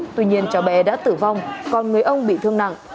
tuy nhiên cháu bé đã tử vong còn người ông bị thương nặng